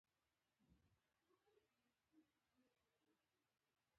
د خوب ډکې مې لیمې په غیږکې وړمه